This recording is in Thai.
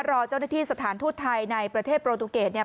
รอเจ้าหน้าที่สถานทูตไทยในประเทศโปรตูเกตเนี่ย